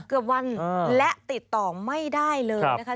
เกือบวันและติดต่อไม่ได้เลยนะคะ